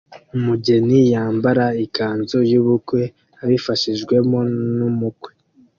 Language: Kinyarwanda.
Umugeni yambara ikanzu yubukwe abifashijwemo numukwe